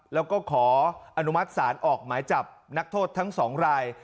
แล้วก็ขออนุมัติศาลออกหมายจับนักโทษทั้ง๒ราย